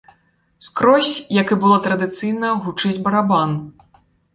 Скрозь, як і было традыцыйна, гучыць барабан.